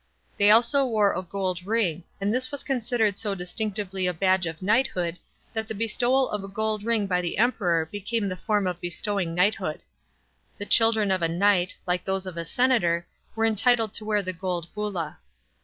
They also wore a gold ring, and this was considered so distinctively a badge of knighthood, that the bestowal of a gold ring by the Emperor became the form of bestowing knighthood. The children of a knight, like those of a senator, were entitled to wear the gold butta.